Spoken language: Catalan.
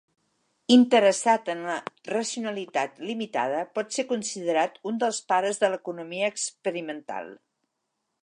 Interessat en la racionalitat limitada, pot ser considerat un dels pares de l'economia experimental.